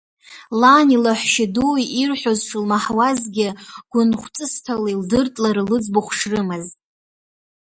Лани лаҳәшьадуи ирҳәоз шылмаҳауазгьы, гәынхәҵысҭала илдырт лара лыӡбахә шрымаз.